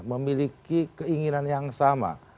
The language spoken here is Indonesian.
memiliki keinginan yang sama